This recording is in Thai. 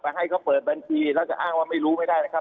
ให้เขาเปิดบัญชีแล้วจะอ้างว่าไม่รู้ไม่ได้นะครับ